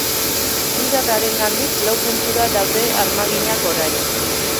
Liderrarengandik lau puntura daude armaginak orain.